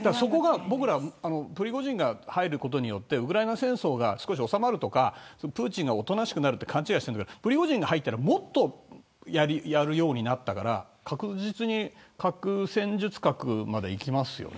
プリゴジンが入ることによってウクライナ戦争が少し収まるとかプーチンがおとなしくなると勘違いしていたけどプリゴジンが入るともっとやるようになったから確実に戦術核までいきますよね。